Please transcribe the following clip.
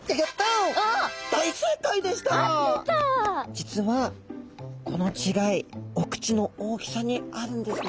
実はこの違いお口の大きさにあるんですね。